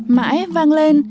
mãi vang lên